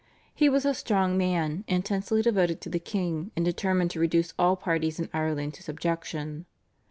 He was a strong man, intensely devoted to the king, and determined to reduce all parties in Ireland to subjection.